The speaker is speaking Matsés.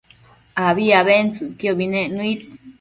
abi abentsëcquiobi nec nëid